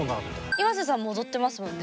ｉｍａｓｅさんも踊ってますもんね。